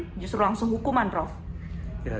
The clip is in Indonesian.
terlangsung hukuman prof